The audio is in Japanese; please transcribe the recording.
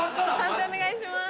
判定お願いします。